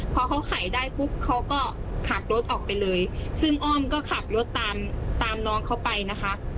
พอเขาขายได้ปุ๊บเขาก็ขับรถออกไปเลยซึ่งอ้อมก็ขับรถตามตามน้องเขาไปนะคะ